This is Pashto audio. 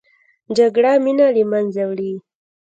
جګړه مینه له منځه وړي